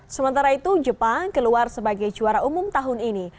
sementara itu jepang keluar sebagai juara umum tahun ini